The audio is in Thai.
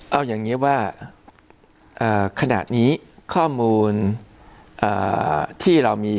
เอาอย่างนี้ว่าขณะนี้ข้อมูลที่เรามี